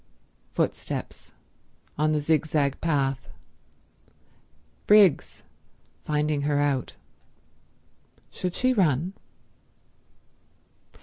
Footsteps. On the zigzag path. Briggs. Finding her out. Should she run?